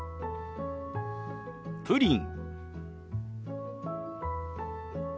「プリン」。